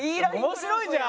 面白いじゃん。